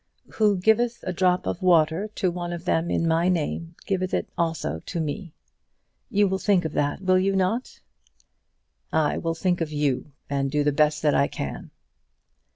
'Who giveth a drop of water to one of them in my name, giveth it also to me.' You will think of that, will you not?" "I will think of you, and do the best that I can."